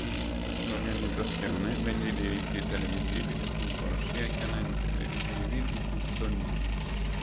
L'organizzazione vende i diritti televisivi dei concorsi ai canali televisivi di tutto il mondo.